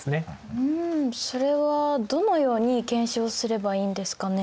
うんそれはどのように検証すればいいんですかね？